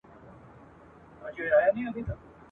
ګورمه پر مخ